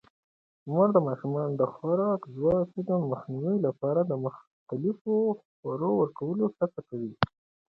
مور د ماشومانو د خوارځواکۍ د مخنیوي لپاره د مختلفو خوړو ورکولو هڅه کوي.